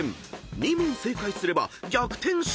［２問正解すれば逆転勝利］